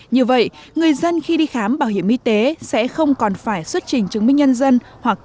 như vậy người dân khi đi khám bảo hiểm y tế sẽ không còn phải xuất trình chứng minh nhân dân hoặc